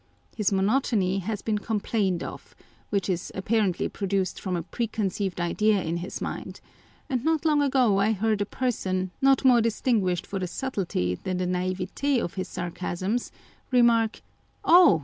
His monotony has been complained of, which is apparently produced from a preconceived idea in his mind ; and not long ago I heard a person, not more distinguished for the subtilty than the naivete of his sarcasms, remark, u Oh